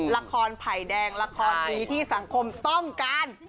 ไผ่แดงละครดีที่สังคมต้องการ